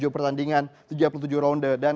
pertandingan tiga puluh tujuh ronde dan